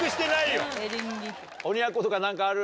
鬼奴とか何かある？